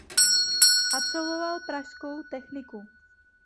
Absolvoval pražskou techniku.